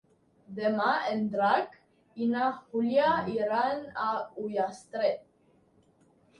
Demà en Drac i na Júlia iran a Ullastret.